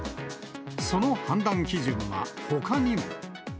その判断基準はほかにも。